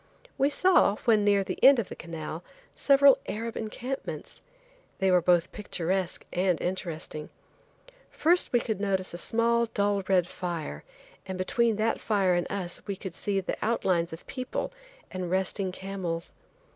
We saw, when near the end of the canal, several Arab encampments. They were both picturesque and interesting. First we would notice a small dull red fire, and between that fire and us we could see the outlines of people and resting camels.